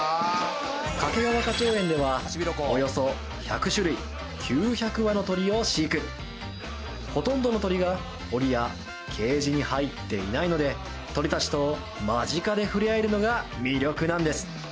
掛川花鳥園ではおよそ１００種類９００羽の鳥を飼育ほとんどの鳥がオリやケージに入っていないので鳥達と間近でふれあえるのが魅力なんです